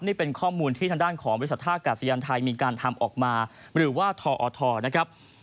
นี่เป็นข้อมูลที่ทางด้านของบริษัทท่ากาศยานไทยมีการทำออกมาหรือว่าทอทนะครับ